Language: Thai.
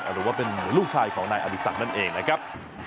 หรือว่าเป็นลูกชายของนายอดีศักดิ์นั่นเองนะครับ